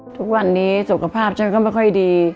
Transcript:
ทุกวันนี้สุขภาพฉันก็ไม่ค่อยดี